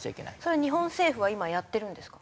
それ日本政府は今やってるんですか？